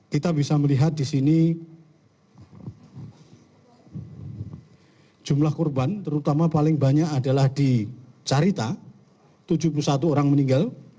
kita bisa melihat di sini jumlah korban terutama paling banyak adalah di carita tujuh puluh satu orang meninggal